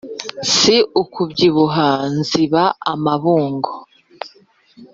Si ukubyibuha ziba amabungu.